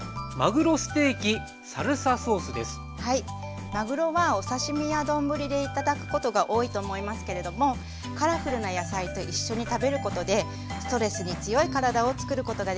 続いてはまぐろはお刺身や丼で頂くことが多いと思いますけれどもカラフルな野菜と一緒に食べることでストレスに強い体をつくることができます。